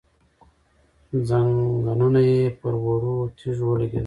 ځنګنونه يې پر وړو تيږو ولګېدل،